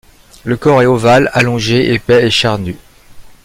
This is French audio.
Le corps est ovale, allongé, épais et charnu.